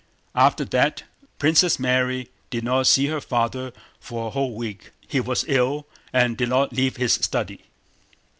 After that Princess Mary did not see her father for a whole week. He was ill and did not leave his study.